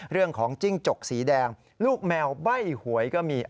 เรื่องของจิ้งจกสีแดงลูกแมวใบ้หวยก็มี